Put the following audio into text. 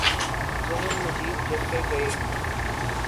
ذہن مزید جکڑے گئے۔